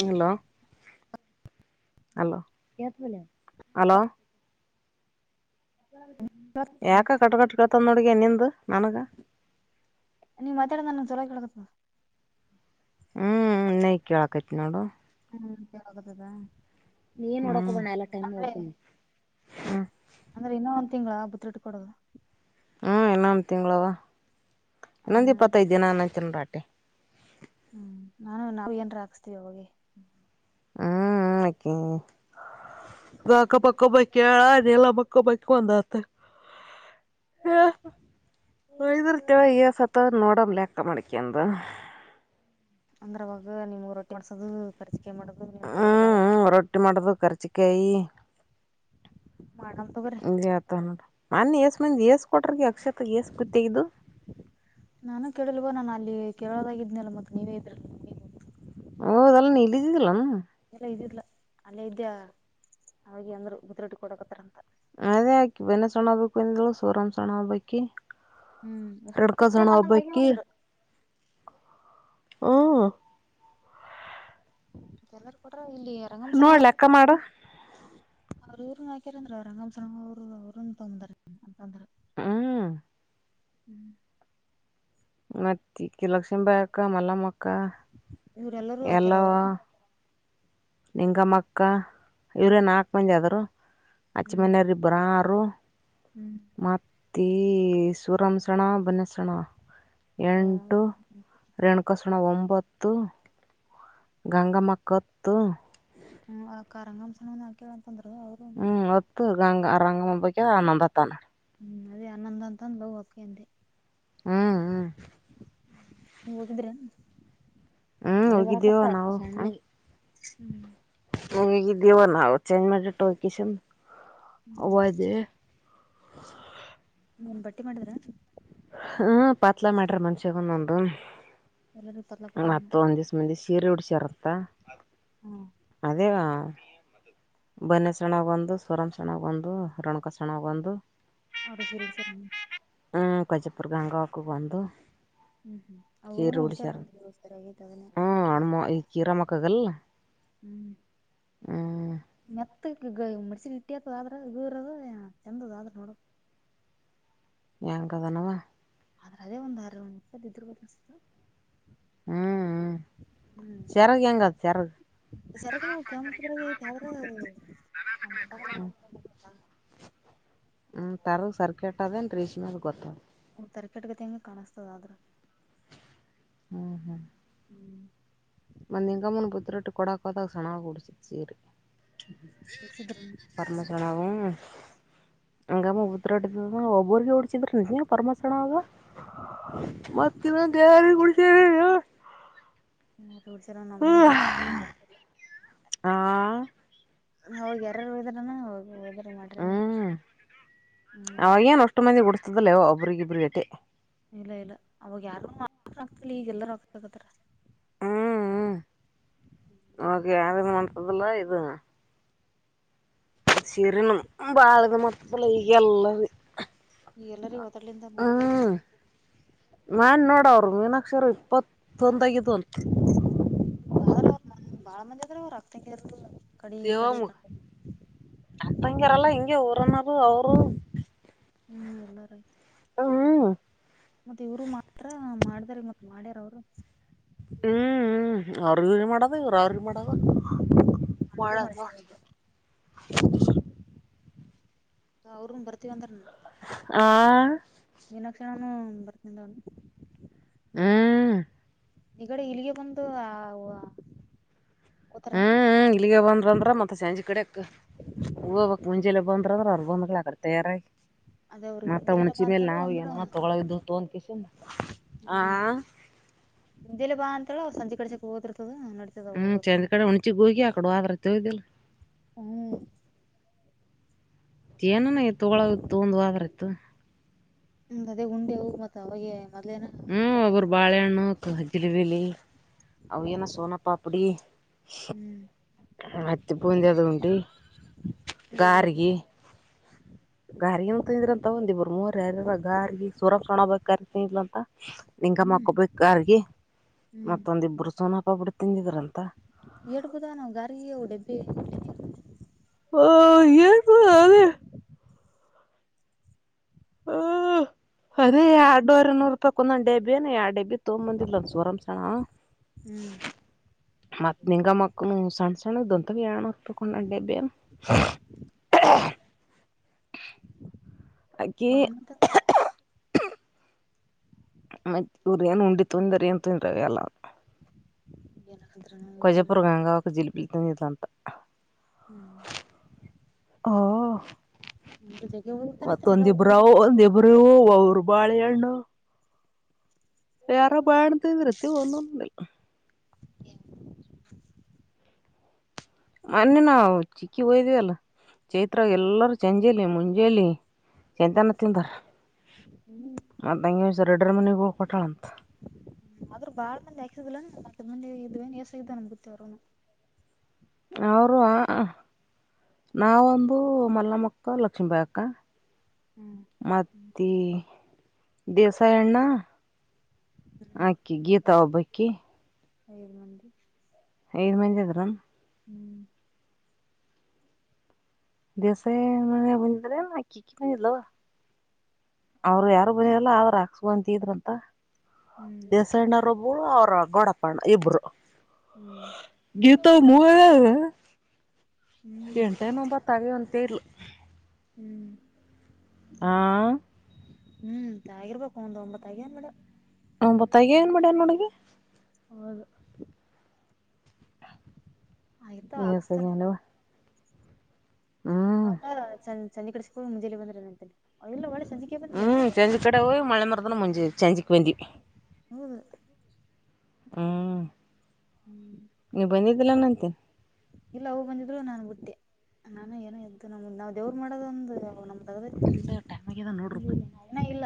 hello hello ಯಾಕ cut ಕಟ್ಕಳ್ತಂದ ನೋಡ್ಗೆ ನಿಂದು ನನ್ಗ ನೀ ಮಾತಾಡೋ ನನ್ನ ಚೊರ ಕೇಳಕ ಹ್ಮ್ ನೈ ಕೇಳ ಕಟ್ಟ ನೋಡು ಹ್ಮ ಆಗದದಾ ನೀ ಏನ್ ಮಾಡೋಡಕ ಬ ಎಲ್ಲ ಟೈಮ್ ಮೂಡ್ತಮ್ಮ ಅಂದ್ರೆ ಇನ್ನೊ ಒಂದ್ ತಿಂಗಳ ಬತ್ಟ್ಕೊಡದು ಹ್ಞ ಇನ್ನೊಂದು ತಿಂಗಳವಾ ಇನ್ನೊಂದು ಹ್ಮ್ ಇಪ್ಪತ್ತೈದು ದಿನ ಅನ್ನಚನ್ ರಾಟಿ ಹ್ಮ್ ನಾನು ನಾವು ಏನ್ರ ಹಾಕ್ಸ್ತೀವಿ ಅವೆ ಹ್ಮ್ ಹ ಕೆ ಗಕ ಪಕ್ಕ ಬಳ ಕೇಳು ಎಲ್ಲ ಪಕ್ಕ ಬಕ ಬಂದ ಅತ್ತ ಹಾ ಹ ಇದತವ ಈ ಸತ ನೋಡಮ್ ಲೆಕ್ಕ ಮಾಡಡಕಿ ಅಂದ ಅಂದ್ರವಾಗ ನಿಮ್ ರೊಟಿ ಮಾಡ್ಸೋದು ಕರಿ ಹ್ಮ್ ರೊಟ್ಟಿ ಮಾಡುದು ಕರ್ಚಿಕಾಯಿ ಮಾಡಮ್ ತಗೋರಿ ಆತ ನೋಡ ನನ್ ಎಷ್ಟ ಮಂದಿ ಏಸ್ ಕೊಟ್ರಗೆ [unintelligible] ಕೇರಳದಾಗಿದ್ನಲ್ಲ ಮತ್ತೆ ನೀವೇ ಇದ್ರಿಲ್ಲ ಓ ತೆ [unintelligible] ನೀಲಿದ್ದ ಎಲ್ಲ ಇದಿಲ್ಲ ಅಲ್ಲೇ ಇದ್ಯಾ ಅವಾಗ ಅಂದ್ರು ಗುದ್ರೊಟ್ಟ ಕೊಡಕತ್ರ ಅಂತ ಅದೇ ಆಕಿ ಬೆನಸಣ್ಣ ಹಬೇಕು ಅಂದಳು ಸೋರಾಮ್ ಸಣ್ಣ ಹಬೇಕಿ ಹ್ಮ್ ಅಷ್ಟ ಮತ್ತೆ ನನ್ನ ಮಗ ಒಂದರು ಹೂ ಮತ್ತ ಎಲ್ಲಾರ ಕೊಟ್ರ ಇಲ್ಲಿ ರಂಗಂಸನ ನೋಡ್ ಲೆಕ್ಕ ಮಾಡ ಹಾಕ್ಯರ್ಂದ್ರ ರಂಗಂ ಸ ಅವರು ಅವ್ರನ್ ತೊಂದ್ರ ಅಂತ ಅಂದ್ರ ಹ್ಮ್ ಹ್ಮ್ ಮತ್ತೆ ಕಕ್ಕಿ ಲಕ್ಷ್ಮ ಬಾಯಿ ಅಕ್ಕ ಮಲ್ಲಮ್ಮಕ್ಕ ಇವ್ರೆಲ್ಲರೂ ಎಲ್ಲ ಹಾಕ್ಯಾರ ಅವರು ನಿಂಗಮ್ಮಕ್ಕ ಇವ್ರೇ ನಾಲ್ಕು ಮಂದಿ ಆದ್ರು ಅಚ್ಚ ಮನೆಯವರಿ ಇಬ್ಬರುರು ಮತ್ತು ತಿ ಸೂರಮಸಣ ಬನ್ನಸಣ ಎಂಟು ರೆಣಕಾಸಣ ಒಂಬತ್ತು ತ್ತು ಗಂಗಮ್ಮ ಕೊತ್ತು ಹ್ಮ ಕಂಗಾಮಸಣಾ ಹ್ಮ್ ಒತ್ತು ಗಂಗ ರಂಗಮ ಬಗ್ ಆನಂದತ ನ ಹ್ಮ್ ಅದೇ ಆನಂದ ಅಂತಂದ ಬಾ ಹಕ್ಕಿ ಅಂತೆ ಹ್ಮ್ ಹ್ಮ್ ನೀ ಹೋಗಿದ್ರಿ ಹ್ಮ್ ಹೋಗದವ ನವು ಹೋಗ ದವ ನವು ಚೇನ್ ಮಾಡಟ್ಟೋಕಿಸನ್ [unintelligible] ನೀನ್ ಬಟ್ಟೆ ಮಾಡಿದ್ರ ಹ್ಮ ಪಾತ್ಲಾ ಮಾಡ್ರಿ ಮನ್ಷ್ಯಗಂದೊಂದು ಎಲ್ಲರಿಗೂ ಪತ್ಲಾ ಹ ಕೊಟ್ರ ಮತ್ತ ಒಂದ್ ದಿವ್ ಮಂದಿ ಸೀರೆ ಉಡ್ಸ ಚಿರತ ಹ್ಮ ಅದೇ ಬನೆ ಸಣ ಒಂದು ಸ್ವರಂ ಸಣ ಒಂದು ರೊಣಕಸಣ ಒಂದು ಅವದ ಸರು ಸರ ಹ್ಮ್ ಕೊಜಪುರ ಗಂಗಾಕ ಒಂದು ಹ್ಮ್ ಹ್ಮ್ ಅವ ಡಚಾರಸ್ಥರ ಆಗಿ ಹ್ಮ್ ಅದನ್ನರ್ಪಟ್ಟ ಹಣ್ಮ ಈ ಕೀರ ಮಕ್ಕಗಲ್ ಹ್ಮ ಹ್ಮ್ ಮೆತ್ತ ಗ [unintelligible] ಇಟ್ಟಿತ ಆದ್ರ ಇೂರದು ಚೆಂದದ ಆದ್ರೆ ನೋಡದು ಇಂಕದನವ ಆದ್ರ ಅದೇ ಒಂದ್ ಆರ ಒಸದ ಇದ್ರರು ಬದ್ತು ಹ್ಮ್ ಹ್ಮ ಚರಗ ಹೆಂಗ ಚರಗ ಸರಕ ನ ಕೆಂಪದ್ರಾಗ ಐತೆ ಯಾವ್ರ ನಮ್ ಊಟ ಹ್ಮ ತರದ ಸರ್ಕಟ್ದೇನ್ ರೇಷ್ಮ ಮ ಗೊತ್ತದ ಒ ತರಕಟ್ಗತಿ ಹೆಂಗೆ ಕಾಣಸ್ತದ ಆದ್ರ ಹ್ಮ್ ಹ್ಮ್ ಮಂದ ಎಂಗಮ್ಮೂನು ಪತ್ರಟ್ ಕೊಡಾ ಕೊತ ಸಣಾಗ ಕುಡ ಸೀರಿ ಮುಡ್ಸಿದ್ರ ಪರಮತಣವು ಹಂಗಮ್ಮ ಉದ್ರಾಡ್ ಒಬ್ಬರ್ಗೆ ಹೊಡ್ಚಿದ್ರ ನಿ ನೀ ಪರಮಸಣ ಅವಗ ಮತ್ತಿನ ದಾರಿ ಕುಡ ಚಡ್ರ [unintelligible] ನಮ್ಮಷ್ಟ ಹಾ ಹೋಗ ಯಾರಾರು ಹೋದ್ರನ ಹೋಗ ಹೋದ ಹ್ಮ್ ಹ್ಮ್ ಅವಾಗೇಏನ್ ಅಷ್ಟು ಮಂದಿ ಉಡ್ಸ್ತದಲ್ಲೇವೋ ಒಬ್ರಗಿಬ್ರಗಟೆ ಇಲ್ಲ ಇಲ್ಲ ಅವಾಗ ಯಾರು ಮಾ ಆಗ್ತಿಲ್ಲ ಈಗೆಲ್ಲರ ಆಗ್ತಗತ್ತಾರ ನ ಯಾರನು ಮಂತ್ರದಲ್ಲ ಇದು ಶಿರನ ಬಾಳಕ ಮೊತ್ತ ಲೈಗಲ್ಲ ಈ ಎಲ್ಲರಿಗ ಒದಡ್ಲಿಂದ ಮಾಡ್ತಾರ ಈಗ ಹ್ಮ್ ಮಾಡ್ ನೋಡ ಅವರು ಮೀನಾಕ್ಷರಗ್ ಇಪ್ಪತ್ತೊಂದು ಆಗಿದ್ವಂಥ ಬಾಳ್ರ ಅವ್ ಬಾಳ ಮಂದಿ ಆದ್ರ ಅವ್ರು ಅಕ್ತಂಗಿಯರು ದೇವಾಮಗ ಅಕ್ತಂಗ್ಯರಲ್ಲ ಹಿಂಗೆ ಊರನ್ನೋದು ಅವರು ಹ್ಮ್ ಇಲ್ಲ ರೀ ಹ್ಮ್ ಮತ್ತೆ ಇವರು ಮಾತ್ರ ಮಾಡ ಆತರಿ ಮತ್ತ್ ಮಾಡ್ಯಾರ ಅವರು ಹ್ಮ್ ಹ್ಮ್ ಅವ್ರಗ ಮಾಡದ ಇವ್ರ ಅವ್ರಿಗೆ ಮಾಡದ ಮಾಡದು [unintelligible] [inaudible] ಅವ್ರರುನ್ ಬರ್ತಿವಂದ್ರನ ಆ ಹ್ಮ್ ಬತ್ತಿಂದವ್ನೆ ಹ್ಮ್ ಈ ಕಡೆ ಇಲ್ಲಿಗೆ ಬಂದು ಅವ ಹ್ಮ್ ಹ್ಮ್ ಇಲ್ಲಿಗೆ ಬಂದ್ರಂದ್ರ ಮತ್ತ ಮತ್ ಸಂಜೆ ಕಡೆಕ್ ಹೋಗ್ಬಕ್ ಮುಂಜಾಲೆ ಬಂದ್ರಂದ್ರ ಅಲ್ಲ್ ಅವ್ರರು ಬಂದ್ಗಳ ಆ ಕಡೆ ತಯಾರಾಯ ಅದ ಅವ್ರಿಗೆ ಮತ್ತ ಹಿಂದೆಲೆನ ಉಣಚಿ ಬಾ ಮೇಲೆ ಅಂತೇಳು ನಾವು ಅಂದ್ರ ಏನಾರ್ ತಗೋಳಗಿದ್ರ ತಗೋಂತಿವ್ ಆ ಜಾಲೆ ಬಾ ಅಂತಲ್ಲ ಅವ್ ಸಂಜೆ ಕೆಲ್ಸಕ್ಕೆ ಹೋಗೋದಿರ್ತದ ನಡಿತದ ಹ್ಮ್ ಹೋಗಕ ಚೆಂದ ಕಡೆ ಹುನ್ಚಿಗ್ ಹೋಗಿ ಆಕಡೆ ಹದ್ರತ್ದಿಲ್ಲ ಹ್ಮ್ ಏನನ ತೊಗೊಳ ತೊಗೊಂದ್ ವಾಗರ್ ಇತ್ತು ಹ್ಮ್ ಅದೇ ಗುಂಡೆವೂರ್ ಮತ್ತ ಅವಾಗೆ ಮೊದ್ಲೇನ ಹ್ಮ್ ಒಬ್ಬರು ತಗೊಂಬಂದಿರ್ತೀವಿ ಬಾಳೆಹಣ್ಣು ಹಜರಿಬಲಿ ಅವಿಯನ ಸೋನಪ್ಪಾಪಡಿ ಹ್ಮ್ ಹತ್ತಿ ಪೊಂದ ಅದು ಉಂಟು ಇವೆಲ್ಲ ಗಾರಿಗೆ ಗಾರಿಗೆನ ತಿಂದ್ರ ಅಂತಗಂದಿಬ್ರು ಮೂರ್ ಯಾರಾರ ಗಾರಿಗೆ ಸುರ ಸಣ ಬ ತಿಲ ಅಂತ ಲಿಂಗಮ್ಮ ಹ್ಮ್ ಹಕ್ಕೊಬೇಕ ಆರ್ಗ ಹ್ಮ್ ಮತ್ತೊಂದಿಬ್ರು ಸೋನಪಾಪಡಿ ತಿಂದಿದ್ರಂತ ಎಡುಬುದಾ ನಾವು ಗಾರಿಗೆ ಅವು ಡಬ್ಬಿ [unintelligible] ಹ ಅದೇ ಎರಡವರೆ ನೂರು ರೂಪಾಯಿ ಒಂದ ಬಿಏ ಎರಡ್ ಬಿ ತಗೊಂಬಂದಿಲ್ಲಂದ ಸೋರಾಮ್ಸಣ ಹ್ಮ್ ಮತ್ತ್ ನಿಂಗ ಮಕ್ಕನು ಸಣ್ಣ ಸಣದಂಟ ಅತ್ತವೆಯಣಪ್ಪಕೊಂಡ ಡಬ್ಬಿ ಏನ್ ಬಳ ಮತ್ತ ಮತ್ತ ಇವ್ರ ಏನ್ ಉಂಡಿ ತುಂದ್ರ ಏನ್ ತುಯಂದ್ರ ಅವ ಎಲ್ಲ [unintelligible] ಕೊಜಾಪುರ ಗಂಗ ಒ ಜಿಲು ಪಿಲ್ತನ ಇದದಂತ ಹ್ಮ್ ಹಾ ಅಂದ್ರ ಜಗ್ಗೆ ಹೋಗ್ತಾನೈತನ ಎಲ್ಲಾ ಊರು ಮತ್ತೊಂದಿಬ್ರು ಒಂದಿಬ್ರು ಅವರು ಬಾಳೆಹಣ್ಣು ವೇರೆ ಬಾಡಂತ ವೃತ್ತಬೋದಿಲ್ಲ [unintelligible] ಮೊನ್ನೆ ನಾವು ಚಿಕ್ಕಿ ಹೋಯ್ದ್ವಿ ಅಲ್ಲ ಚೈತ್ರ ಎಲ್ಲರೂ ಚಂಜಲಿ ಮುಂಜಲಿ ಚಂತನ ತಿಂದಾರ ಹ್ಮ್ ಮತ್ತ ಹಂಗೆ ಒಂದ್ಸ ಎರಡರ ಮನೆಗ ಕೊಟಾಳಂತ ಹ್ಮ್ ಆದ್ರೂ ಬಾಳ್ ಮಂದಿ ಹಾಕ್ಸಿದಿಲ್ಲ ಹತ್ತ ಮಂದಿ ಇದ್ರೆನ್ ಎಸಾಗ್ದ ನನ್ಗತ್ತ ಅವರನು ಅವರು ನಾವೊಂದು ಮಲ್ಲಮ್ಮಕ್ಕ ಲಕ್ಷ್ಮೀಬಾಯಕ್ಕ ಹ್ಮ್ ಮತ್ತ ದೇವಸಾಯಣ್ಣ ಆಕಿ ಗೀತಾ ಒಬ್ಬಕಿ ಐ ಮಿ ಐದ ಮಂದಿ ಇದಾರ ಹ್ಮ್ ದಿವಸೆ ಮೆ ಬಂದು ಇದ ಕ ಕಿ ಬ ಹಲ್ಲಾವಾ ಅವರು ಯಾರು ಬಂದಾರಲ್ಲ ಅವ್ರು ಹಾಕ್ಸ್ ಬಂತಿದ್ರಂತ ಹ್ಮ್ ದೇಸಾಯಣ್ಣರೊಬ್ರು ಅವ್ರ ಗೋಡಪ್ಪಣ್ಣ ಇಬ್ರು ಹ್ಮ್ ಹ್ಮ್ ಎಂಟೈಮ್ಬ ತಾವೇ ಒಂತೇ ಇರ್ಲು ಹ್ಮ್ ಹಾ ಹ್ಮ್ ತಗಿರ್ಬೇಕು ಒಂದ್ ಒಂಬತ್ತ ಆಗಿಯ ಮೇಡ ಹ ಬೊತ್ತಗ ಏನ್ ಮಾಡಡ ಅನ್ನೋಳಗೆ ಹೌದು ಆಯ್ತ ಹಾಕ್ಸ್ತಾರೆ ಏಸಗ್ಯಾನವ ಹ್ಮ್ ಹೌದಾ ಸಂಜೆ ಕಡೆಸಕ ಮುಂಜೇೆಯಲ್ಲಿ ಬಂದ್ರ ಅಂತಲ್ಲ ಒಳ ಹ್ಮ್ ಚೆಂಜಿ ಕಡಾವ ಮಳ ಮರದಾನ ಮುಂಜಿ ಚೆಂಜಿ ವಂದಿ ಹೌದು ಹ ಹ್ಮ್ ಇಲ್ಲ ಹೋಗ ಬಂದಿದ್ರು ನನ್ ಬುಟ್ಟೆ ನಾನ ಏನ ಇದದ್ದು ನಮ್ದ ನಾವವು ದೇವ್ರರು ಮಾಡೋದ ಒಂದು ನಮ್ದ ಟೈಮ್ ಆಗ್ಯದ ನೋಡ್ರಿ ಏನ ಇಲ್ಲ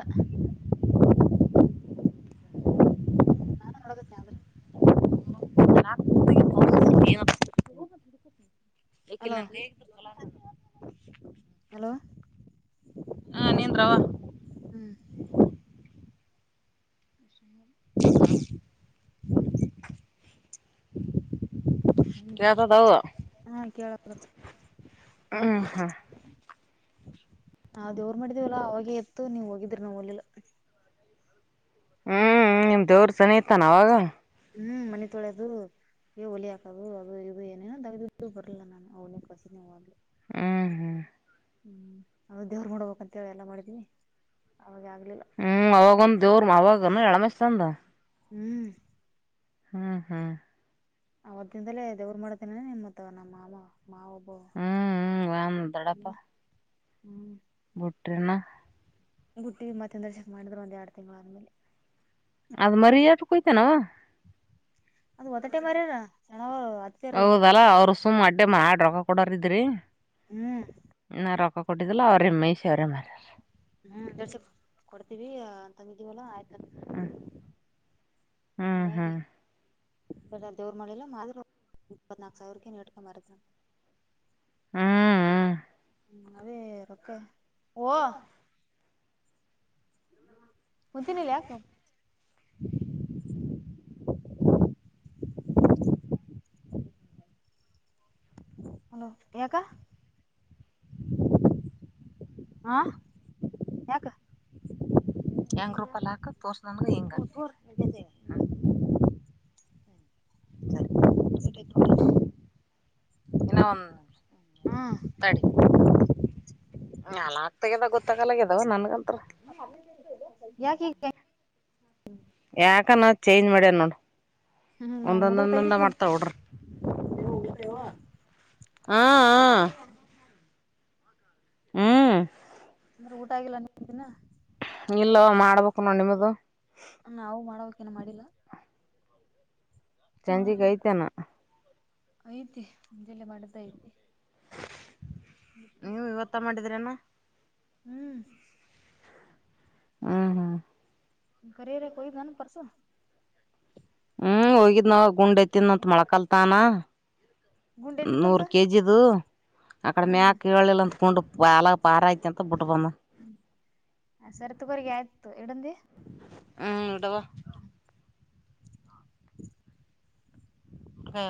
ನಾನು ಒಳಗತ್ತೇ ಅವ್ರ [inaudible] ಲೋ ಹಲೋ ಹಾ ನಿಂದ್ರಾವ ಹ್ಮ್ [inaudible] ಯತದವು ಹಾ ಕೇಳಕತ್ ಹ್ ಹಾ ನಾ ದೇವ್ರ ಮಾಡಿದೀವಲ್ಲ ಅವಾಗೇ ಎತ್ತು ನೀವ್ ಹೋಗಿದ್ರಿ ನಾವ್ ಒಲ್ಲಿಲ್ಲ ಹ್ಮ್ ನಿಮ ದೇವ್ರ ಸನ ಇತಾನ ಅವಾಗ ಹ್ಮ್ ಮನ ತೊಳೆದು ಹೊಲಿ ಹಾಕದು ಅದು ಇದು ಏನೇನ ತಗ್ದಿದ್ದು ಬರ್ಲ ನಾನು ಅವ್ನಿಗೆಖಸಿನ ಹ್ಲು ಹ್ಮ್ ಹ್ಮ್ ಹ್ಮ್ ನ ದೇವ್ರ ಮಾಡಬೇಕಕ್ಂತ ಹೇಳಿ ಎಲ್ಲಾ ಮಾಡಿದೀನಿ ಹ್ಮ್ ಅವಾಗ ಒಂದ ದೇವ್ರ ಅವಾಗ ಎಳಮೆಸ್ತಂದ ಹ್ಮ್ ಹ್ಮ್ ಹ್ಮ್ ಹೊ್ಿನದಲೇ ದೇವ್ರು ಮಾಡ್ತೇನ ನಿಮ್ತ್ ನಮ್ಮ ಮಾಮ ಮಾವಬೋ ಹ್ಮ್ ಹ್ಮ್ ಬುಟ್ರನಾ ಗುಟ್ಟಿ ಮತ್ತಂದ ದ್ರ ಚೆಕ್ ಮಾಡಿದ್ರು ಒಂದ್ ಎರಡು ತಿಂಗಳ ಆದ್ಮೇಲೆ ಅದ ಮರಿ ಆಟ ಕೊಯ್ತಾನವಾ ಅದು ಒತಟೆ ಮಾರ್ಯಾರ ಸಣ್ಣವ ಅತ್ತೆರು ಹೌದಲ್ಲ ಅವರು ಸುಮ್ಮ್ ಅಡ್ಡೆ ಮಾಡ ರೊಕ್ಕ ಕೊಡಾರ ಇದ್ರಿ ಹ್ಮ್ ಇ ರಕ ಕಟ್ಟಿದಲ್ಲ ಅವ್ರ ಎ ಮ ಶ ಅವರೆ ಮಾರಾರ ಹ್ಮ್ರ್ಸ ಕೊಡ್ತೀವಿ ತಂಗಿದೀವಲ್ಲ ಆಯ್ತ ಹ್ಮ ಹಾಗಾಗಿ ದೇವ್ರರು ಮಾಡಿಲ್ಲ ಮಾ್ರ ಇಪ್ಪತ್ನಾಕ ಸಾವಿರಕ್ಕೆ ನಡ್ಕ ಮಾರದಂತ ಹ್ಮ್ ಹ್ಮ್ ಹ್ಮ ಅದೇರಕ್ಕ ಓ ಹಚೆ ನೀಿಲ್ಲಯತ [inaudible] ಹಲೋ ಯಕ್ಕ ಹಾ ಯಾಕ ಹೆಂಗ ರೂಪಾಯ ಹಾಕ ತೋರ್ಸ ಹೆಂಗಿ [unintelligible] ಇನ್ನ ಹ್ಮ್ [unintelligible] ಗೊತ್ತಾಗದ ಗೊತ್ತಾಗಲ್ಲಗ್ಯದಾವ ನನ್ಗಂತ್ರ ಯಾಕ ಈಗ ಯಾಕ ನ ಚೇಂಜ್ ಮಾಡ್ಯವ ನೋಡ್ ಹ್ಮ್ ನಾವ್ ಹುಡುಗ ಒಂದೊಂದೊಂದಂದ ತೆಗಿದ್ನಿ ಮಾಡ್ತಾವ ಡ್ರ ಹಾ ಹಾ ಹ್ಮ್ ಆದ್ರೆ ಊಟ ಆಗಿಲ್ಲ ನಿಮ ದಿನ ಇಲ್ಲ ಮಾಡ್ಬೇಕು ನ ನಿಮ್ದ ನಾವು ಮಾಡವಕೇನ ಮಾಡಿಲ್ಲ ಸಂಜೆ ಕೈತನ ಐತಿ ಮುಜಲ್ಲ ಮಾಡ್ದ ಐತಿ ನೀವು ಇವತ್ತ ಮಾಡಿದ್ರೇನ ಹ್ಮ್ ಹ್ಮ್ ಹ್ಮ್ ಗೇ ರ ಕೊಯ ಬಾನ ಪಸು ಹ್ಮ್ ಹೋಗಿದ್ ನ ಗುಂಡ್ ಐತಿದಂತ ಮೊಳಕಲ್ತಾನ ಗುಂಡ್ ಐತಿದಂತ ನೂರು ಕೆಜಿ ಅದು ಅಕಡೆ ಹ್ಮ್ ಮ್ಯಾಕ್ ಕೇಳಲಿಲ್ಲ ಅಂದತ್ಕೊಂಡು ಬಾಲ ಪಾರ ಐತಿ ಅಂತ ಬಿಟ್ ಬಮ್ಮ ಹ್ಮ್ ಸರ್ತಗರಿಗೆ ಆಯ್ತು ಎಡಂದಿ ಹ್ಮ್ ಅದವ [inaudible] ಹಾ